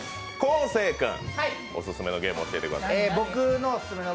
昴生君、オススメのゲームを教えてください。